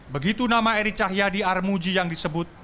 begitu nama eri cahyadi armuji yang disebut